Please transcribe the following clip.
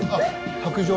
白杖。